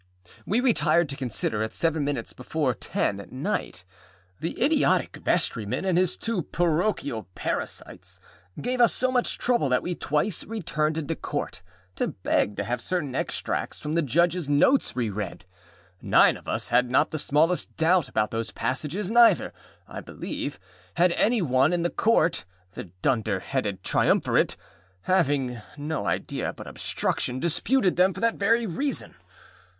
We retired to consider, at seven minutes before ten at night. The idiotic vestryman and his two parochial parasites gave us so much trouble that we twice returned into Court to beg to have certain extracts from the Judgeâs notes re read. Nine of us had not the smallest doubt about those passages, neither, I believe, had any one in the Court; the dunder headed triumvirate, having no idea but obstruction, disputed them for that very reason.